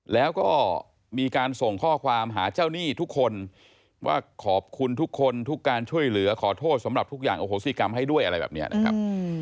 แล้วก็มีการส่งข้อความหาเจ้าหนี้ทุกคนว่าขอบคุณทุกคนทุกการช่วยเหลือขอโทษสำหรับทุกอย่างอโหสิกรรมให้ด้วยอะไรแบบนี้นะครับ